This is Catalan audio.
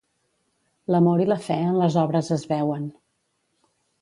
L'amor i la fe en les obres es veuen.